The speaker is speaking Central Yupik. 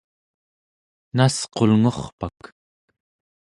nasqulngurpak